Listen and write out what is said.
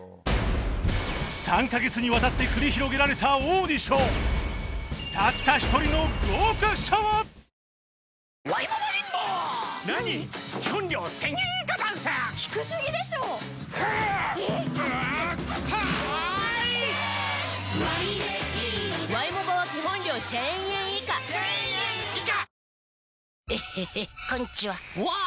３カ月にわたって繰り広げられたオーディションさあ決まりました。